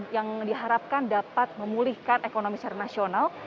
yang diharapkan dapat memulihkan ekonomi secara nasional